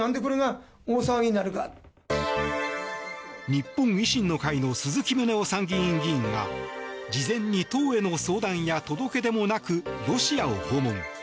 日本維新の会の鈴木宗男参議院議員が事前に党への相談や届け出もなくロシアを訪問。